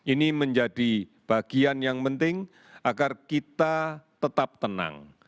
ini menjadi bagian yang penting agar kita tetap tenang